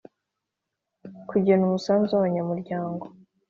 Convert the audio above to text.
Kugena umusanzu w abanyamuryango